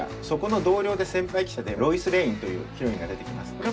そこの同僚で先輩記者でロイス・レインというヒロインが出てきます。